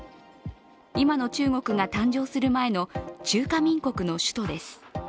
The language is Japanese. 今の中国が誕生する前の中華民国の首都です。